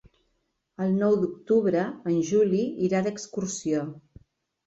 El nou d'octubre en Juli irà d'excursió.